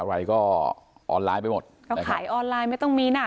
อะไรก็ออนไลน์ไปหมดเขาขายออนไลน์ไม่ต้องมีน่ะ